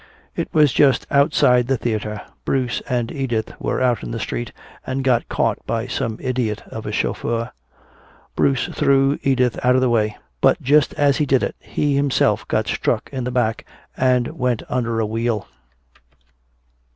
"It was just outside the theater. Bruce and Edith were out in the street and got caught by some idiot of a chauffeur. Bruce threw Edith out of the way, but just as he did it he himself got struck in the back and went under a wheel.